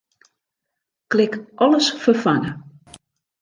Klik Alles ferfange.